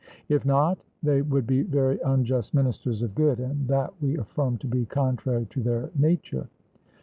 If not, they would be very unjust ministers of good, and that we affirm to be contrary to their nature.